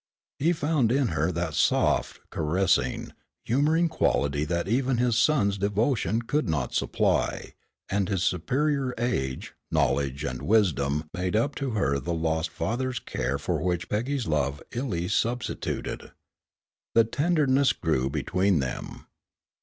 He found in her that soft, caressing, humoring quality that even his son's devotion could not supply, and his superior age, knowledge and wisdom made up to her the lost father's care for which Peggy's love illy substituted. The tenderness grew between them.